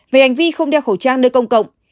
về hành vi không đeo khẩu trang nơi công cộng